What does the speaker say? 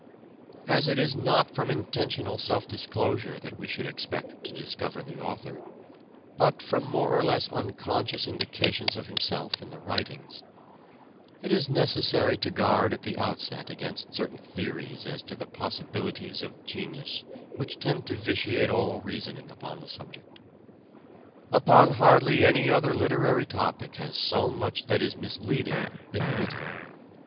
Gcnius As it is not from intentional self disclosure that and the we should expect to discover the author, but from problem. ,..,..,..,. more or less unconscious indications of himself in the writings, it is necessary to guard at the outset against certain theories as to the possibilities of genius CHARACTER OF THE PROBLEM 97 which tend to vitiate all reasoning upon the subject. Upon hardly any other literary topic has so much that is misleading been written.